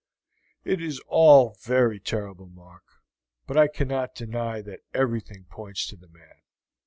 "It is all very terrible, Mark; but I cannot deny that everything points to the man.